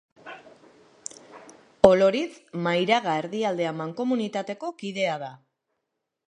Oloritz, Mairaga-Erdialdea mankomunitateko kidea da.